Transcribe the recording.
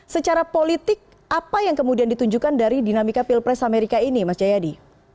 secara politik apa yang kemudian ditunjukkan dari dinamika pilpres amerika ini mas jayadi